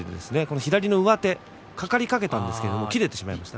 左の上手かかりかけたんですが切れてしまいました。